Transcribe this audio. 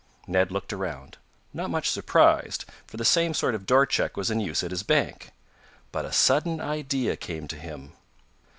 Ned looked around, not much surprised, for the same sort of door check was in use at his bank. But a sudden idea came to him.